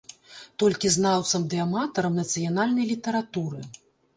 Толькі знаўцам ды аматарам нацыянальнай літаратуры.